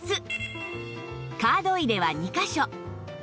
カード入れは２カ所